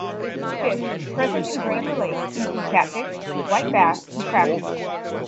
Fish present in Granger Lake include catfish, white bass, and crappie.